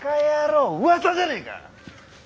うわさじゃねえか。